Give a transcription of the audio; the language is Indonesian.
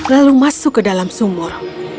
lalu masuk ke dalam sumur